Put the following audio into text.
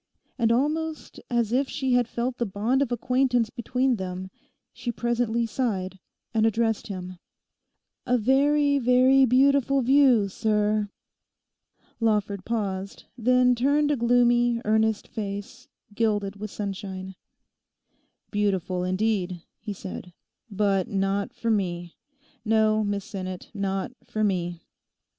And almost as if she had felt the bond of acquaintance between them, she presently sighed, and addressed him: 'A very, very, beautiful view, sir.' Lawford paused, then turned a gloomy, earnest face, gilded with sunshine. 'Beautiful, indeed,' he said, 'but not for me. No, Miss Sinnet, not for me.